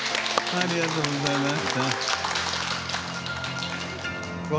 ありがとうございます。